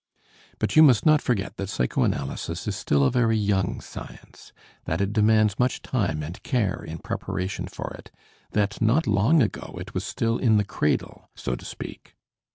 But you must not forget that psychoanalysis is still a very young science, that it demands much time and care in preparation for it, that not long ago it was still in the cradle, so to speak.